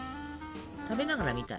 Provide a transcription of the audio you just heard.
食べながら見たい。